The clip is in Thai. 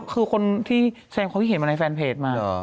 คือคนที่แฟนเขาเห็นมาในแฟนเพจมา